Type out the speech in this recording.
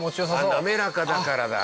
ああ滑らかだからだ。